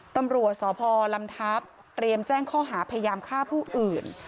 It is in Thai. ตำรวจสพลำทัพเตรียมแจ้งข้อหาพยายามฆ่าผู้อื่น